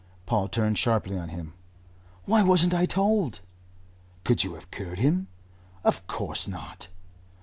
Paul turned sharply on him. "Why wasn't I told?" "Could you have cured him?" "Of course not."